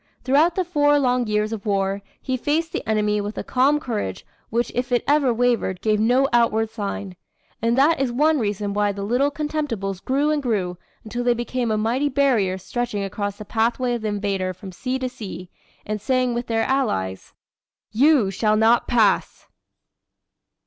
Throughout the four long years of war, he faced the enemy with a calm courage which if it ever wavered gave no outward sign. And that is one reason why the Little Contemptibles grew and grew until they became a mighty barrier stretching across the pathway of the invader from sea to sea, and saying with their Allies: "You shall not pass!"